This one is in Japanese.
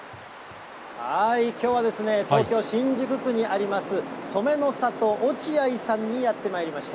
きょうは東京・新宿区にあります、染の里おちあいさんにやってまいりました。